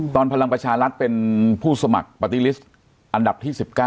พลังประชารัฐเป็นผู้สมัครปาร์ตี้ลิสต์อันดับที่๑๙